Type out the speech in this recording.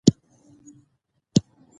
کندهار د افغانستان د پوهنې نصاب کې شامل دی.